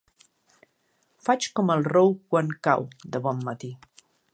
Faig com el rou quan cau, de bon matí.